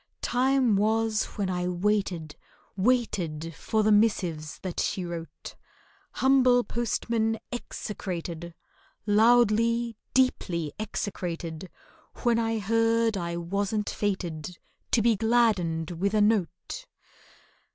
Time was when I waited, waited For the missives that she wrote, Humble postmen execrated— Loudly, deeply execrated— When I heard I wasn't fated To be gladdened with a note!